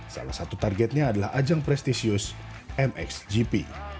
salah satu targetnya adalah ajang prestisius mxgp